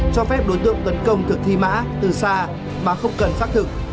cho phép đối tượng tấn công thực thi mã từ xa mà không cần xác thực